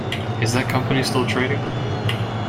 Is that company still trading?